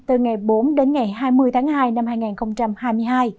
từ ngày bốn đến ngày hai mươi tháng hai năm hai nghìn hai mươi hai